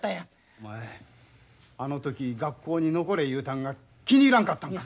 お前あの時学校に残れ言うたんが気に入らんかったんか。